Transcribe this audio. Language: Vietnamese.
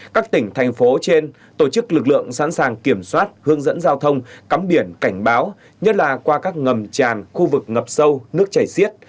các tỉnh thành phố trên tổ chức lực lượng sẵn sàng kiểm soát hướng dẫn giao thông cắm biển cảnh báo nhất là qua các ngầm tràn khu vực ngập sâu nước chảy xiết